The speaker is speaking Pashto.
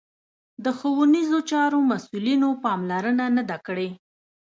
د ښوونیزو چارو مسوولینو پاملرنه نه ده کړې